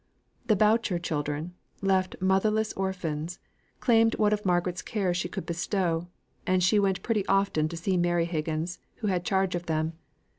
The Boucher children, left motherless orphans, claimed what of Margaret's care she could bestow; and she went pretty often to see Mary Higgins, who had charge of them.